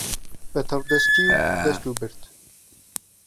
به تهڕدهستی و دهست و برد